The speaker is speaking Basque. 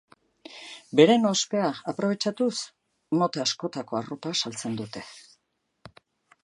Beren ospea aprobetxatuz, mota askotako arropa saltzen dute.